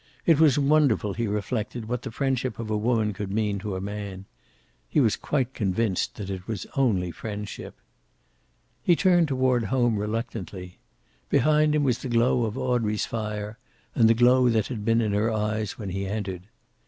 It was wonderful, he reflected, what the friendship of a woman could mean to a man. He was quite convinced that it was only friendship. He turned toward home reluctantly. Behind him was the glow of Audrey's fire, and the glow that had been in her eyes when he entered.